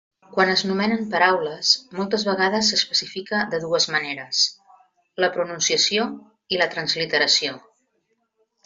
Quan es nomenen paraules, moltes vegades s'especifica de dues maneres: la pronunciació i la transliteració.